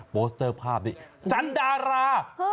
โสเตอร์ภาพนี้จันดารา